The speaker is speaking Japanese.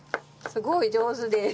すごい上手です」。